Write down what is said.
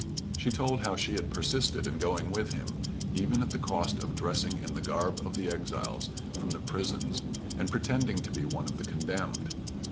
She told how she had persisted in going with him, even at the cost of dressing in the garb of the exiles from the prisons and pretending to be one of the condemned.